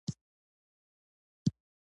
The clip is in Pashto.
چې له يوه ځاى نه يو ځاى خڅه روپۍ پېدا کړم .